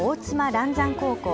嵐山高校。